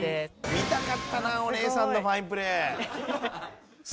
見たかったなあお姉さんのファインプレー。